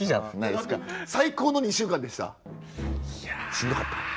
しんどかった？